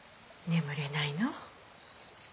・眠れないの？